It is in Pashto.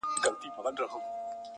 o هر شى پر خپل ځاى ښه ايسي!